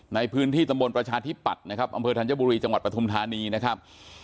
ในพื้นที่ตำบลประชาธิปัตย์นะครับอำเภอธัญบุรีจังหวัดปฐุมธานีนะครับ